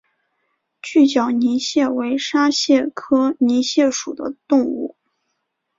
锯脚泥蟹为沙蟹科泥蟹属的动物。